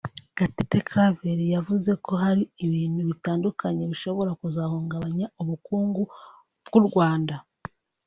Gatete Claver yavuze ko hari ibintu bitandukanye bishobora kuzahungabanya ubukungu bw’u Rwanda